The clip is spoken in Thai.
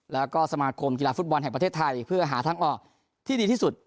แล้วก็สมาคมกีฬาฟุตบอลแห่งประเทศไทยเพื่อหาทางออกที่ดีที่สุด